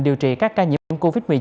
điều trị các ca nhiễm covid một mươi chín